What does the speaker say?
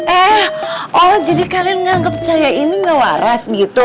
eh oh jadi kalian menganggap saya ini gak waras gitu